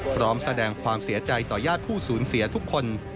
พร้อมแสดงความเสียใจต่อญาติผู้สูญเสียทุกคน